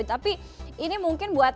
tapi ini mungkin buat